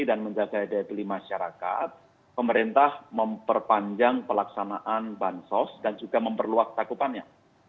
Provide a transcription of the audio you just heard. pertama untuk mendorong konsumsi dan menjaga daya beli masyarakat pemerintah memperpanjang pelaksanaan bansos dan juga memperluas takutannya